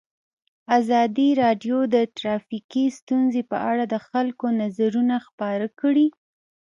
ازادي راډیو د ټرافیکي ستونزې په اړه د خلکو نظرونه خپاره کړي.